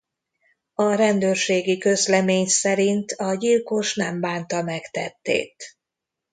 A rendőrségi közlemény szerint a gyilkos nem bánta meg tettét.